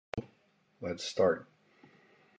Another tourist attraction Thattekere lake is nearby.